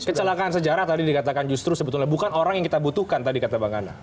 kecelakaan sejarah tadi dikatakan justru sebetulnya bukan orang yang kita butuhkan tadi kata bang ana